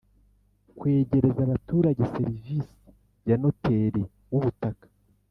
Kwegereza abaturage serivisi ya noteri w ubutaka